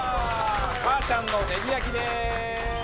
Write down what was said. かあちゃんのネギ焼きです。